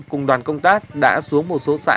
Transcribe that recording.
cùng đoàn công tác đã xuống một số xã